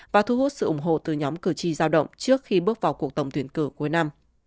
và thu hút sự ủng hộ từ nhóm cử tri giao động trước khi bước vào cuộc tổng tuyển cử cuối năm